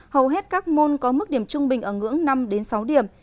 hầu hết các môn có mức điểm trung bình ở ngưỡng năm sáu điểm